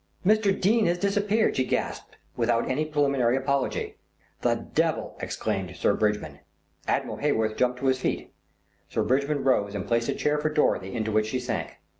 "Mr. Dene has disappeared!" she gasped without any preliminary apology. "The devil!" exclaimed Sir Bridgman. Admiral Heyworth jumped to his feet. Sir Bridgman rose and placed a chair for Dorothy into which she sank.